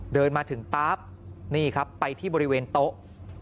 เดินมาถึงปั๊บนี่ครับไปที่บริเวณโต๊ะ